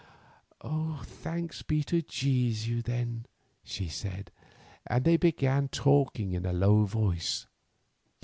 "Thanks be to Jesu then!" she said, and they began talking in a low voice.